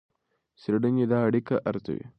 څېړنې دا اړیکه ارزوي.